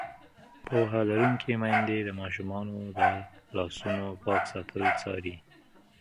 پوهه لرونکې میندې د ماشومانو د لاسونو پاک ساتل څاري.